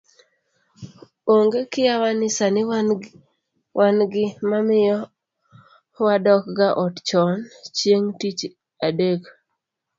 Onge kiawa ni sani wan gi mamiyo wadokga ot chon chieng' tich adek